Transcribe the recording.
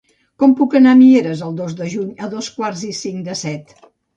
Com puc anar a Mieres el dos de juny a dos quarts i cinc de set?